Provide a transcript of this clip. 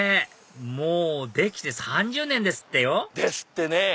もうできて３０年ですってよですってね。